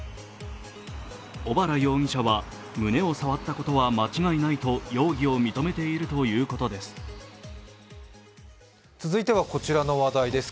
小原容疑者は、胸を触ったことは間違いないと、容疑を認めているということです。